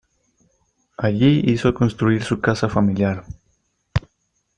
Allí hizo construir su casa familiar.